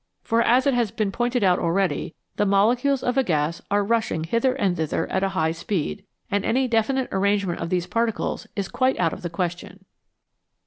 For, as has been pointed out already, the molecules of a gas are rushing hither and thither at a high speed, and any definite arrangement of these particles is quite out of the question.